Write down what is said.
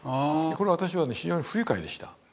これは私は非常に不愉快でした。